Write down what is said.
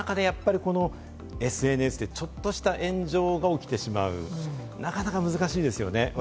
そういった中でＳＮＳでちょっとした炎上が起きてしまう、なかなか難しいですよね。